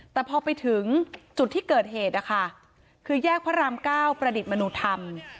แต่พอไปถึงจุดที่เกิดเหตุนะคะคือแยกพระรามเก้าประดิษฐ์มนุธรรม